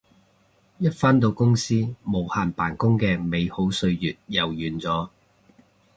一返到公司無限扮工嘅美好歲月又完咗